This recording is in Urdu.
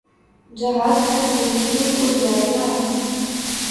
جہاز دس منٹ میں اڑ جائے گا۔